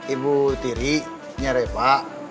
ibu tiri nya reva